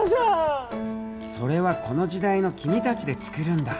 それはこの時代の君たちで作るんだ。